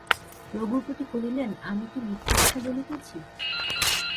রঘুপতি কহিলেন, আমি কি মিথ্যা কথা বলিতেছি?